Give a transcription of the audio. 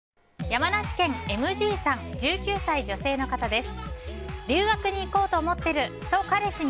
山梨県の１９歳、女性の方です。